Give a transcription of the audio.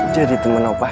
jadi temen opah